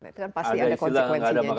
itu kan pasti ada konsekuensinya juga